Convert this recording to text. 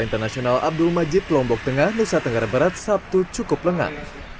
internasional abdul majid lombok tengah nusa tenggara barat sabtu cukup lengang